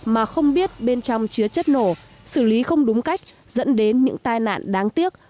mà không biết bên trong chứa chất nổ xử lý không đúng cách dẫn đến những tai nạn đáng tiếc